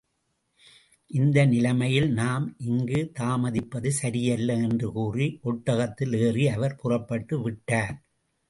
இந்த நிலைமையில் நாம் இங்கு தாமதிப்பது சரியல்ல என்று கூறி, ஒட்டகத்தில் ஏறி அவர் புறப்பட்டு விட்டார்.